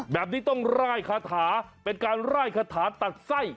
แบบนี้ต้องร่ายคาถาเป็นการร่ายคาถาตัดไส้